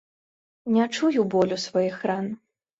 Не чуў болю сваіх ран.